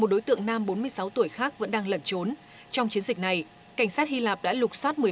một đối tượng nam bốn mươi sáu tuổi khác vẫn đang lẩn trốn trong chiến dịch này cảnh sát hy lạp đã lục xoát